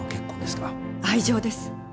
愛情です。